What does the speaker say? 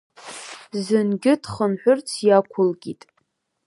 Зынгьы дхынҳәырц иақәылкит.